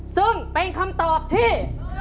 ซึ่งเป็นคำตอบที่